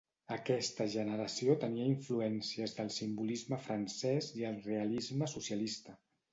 Aquesta generació tenia influències del simbolisme francès i el realisme socialista.